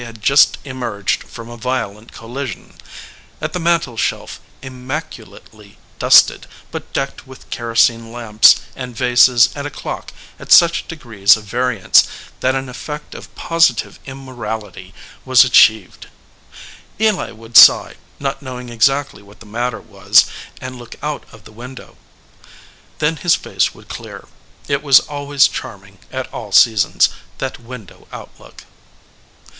had just emerged from a vio lent collision, at the mantel shelf immaculately dusted, but decked with kerosene lamps and vases and a clock at such degrees of variance that an ef fect of positive immorality was achieved. Eli 102 THE FLOWERING BUSH would sigh, not knowing exactly what the matter was, and look out of the window. Then his face would clear. It was always charming at all seasons, that window outlook.